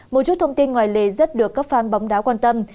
một chút thông tin ngoài lề rất được các phan bóng đá quan tâm